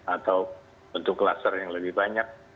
atau bentuk laser yang lebih banyak